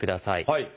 はい。